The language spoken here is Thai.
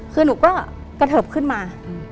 คือหนูก็กระเทิบขึ้นมา